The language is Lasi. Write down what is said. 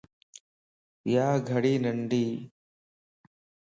يا گھڙي ننڍيءَ